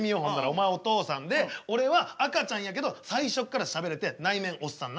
お前お父さんで俺は赤ちゃんやけど最初からしゃべれて内面おっさんな。